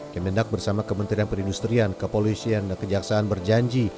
kementerian perindustrian kepolisian dan kejaksaan berjanji